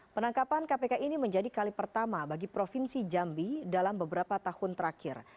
penangkapan kpk ini menjadi kali pertama bagi provinsi jambi dalam beberapa tahun terakhir